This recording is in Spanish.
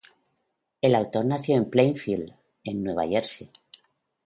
El autor nació en Plainfield, en Nueva Jersey.